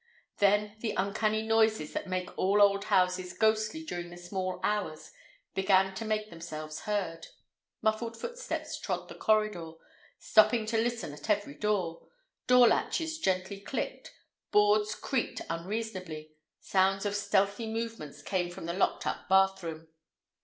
Then the uncanny noises that make all old houses ghostly during the small hours began to make themselves heard. Muffled footsteps trod the corridor, stopping to listen at every door, door latches gently clicked, boards creaked unreasonably, sounds of stealthy movements came from the locked up bathroom.